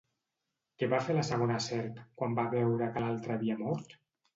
Què va fer la segona serp quan va veure que l'altra havia mort?